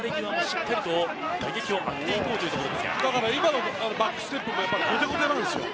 今のバックステップも後手後手なんですよ。